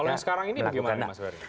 kalau yang sekarang ini bagaimana mas ferry